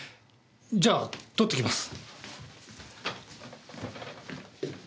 じゃあ取ってきます。